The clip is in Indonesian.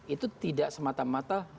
itu tidak semata mata